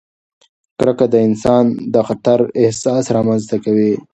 کرکه د خطر احساس رامنځته کوي.